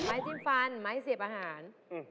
จิ้มฟันไม้เสียบอาหาร